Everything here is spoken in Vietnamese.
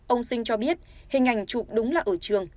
ông sinh cho biết hình ảnh chụp đúng là ở trường